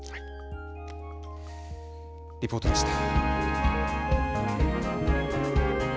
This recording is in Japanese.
リポートでした。